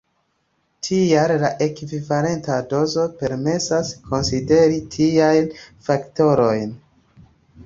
Tial la ekvivalenta dozo permesas konsideri tiajn faktorojn.